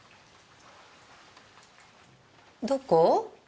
どこ？